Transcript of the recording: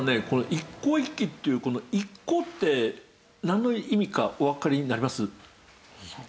一向一揆っていうこの「一向」ってなんの意味かおわかりになります？